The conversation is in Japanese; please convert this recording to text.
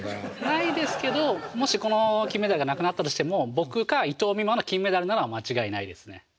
ないですけどもしこの金メダルがなくなったとしても僕か伊藤美誠の金メダルなのは間違いないですね。